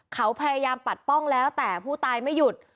เขาพยายามปัดป้องแล้วแต่ผู้ตายไม่หยุด